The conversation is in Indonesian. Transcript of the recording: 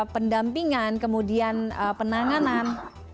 pendampingan kemudian penanganan